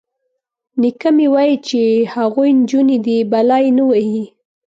_نيکه مې وايي چې هغوی نجونې دي، بلا يې نه وهي.